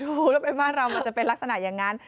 รู้แล้วไปบ้านเรามันจะเป็นลักษณะอย่างนั้น